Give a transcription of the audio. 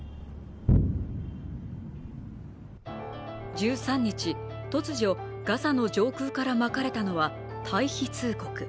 １３日、突如ガザの上空からまかれたの退避通告。